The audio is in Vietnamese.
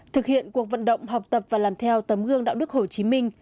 thực hiện cuộc vận động học tập và làm theo tấm gương đạo đức hồ chí minh